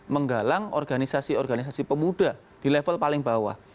menggalang organisasi organisasi pemuda di level paling bawah